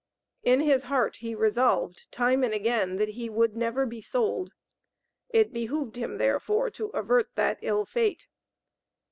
"In his heart" he resolved time and again that he would never be sold. It behooved him, therefore, to avert that ill fate.